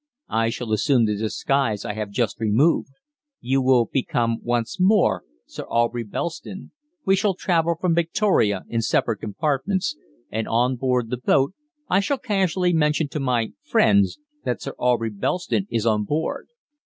I shall assume the disguise I have just removed. You will become once more Sir Aubrey Belston, we shall travel from Victoria in separate compartments, and on board the boat I shall casually mention to my 'friends' that Sir Aubrey Belston is on board.